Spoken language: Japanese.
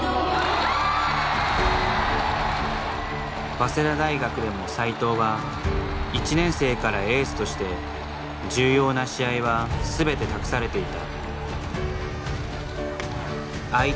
早稲田大学でも斎藤は１年生からエースとして重要な試合は全て託されていた。